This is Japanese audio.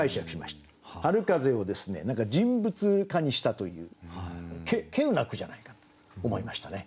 春風を人物化にしたというけうな句じゃないかと思いましたね。